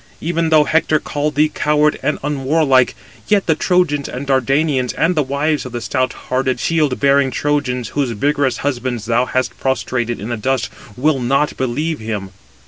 Even though Hector call thee coward and unwarlike, yet the Trojans and Dardanians, and the wives of the stout hearted shield bearing Trojans, whose vigorous husbands thou hast prostrated in the dust, will not believe him."